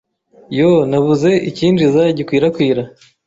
Yoo navuze icyinjiza gikwirakwira